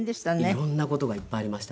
色んな事がいっぱいありました。